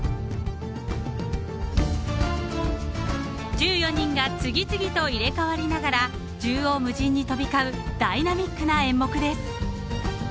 ［１４人が次々と入れ替わりながら縦横無尽に飛び交うダイナミックな演目です］